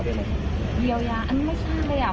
ที่เยียวยาอันไม่ค่าเราก็อยาก